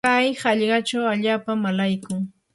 kay hallqachaw allaapam alaykun.